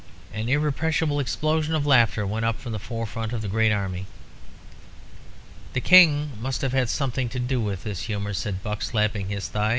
An irrepressible explosion of laughter went up from the forefront of the great army. "The King must have had something to do with this humour," said Buck, slapping his thigh.